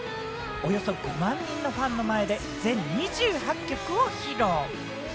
およそ５万人のファンの前で全２８曲を披露。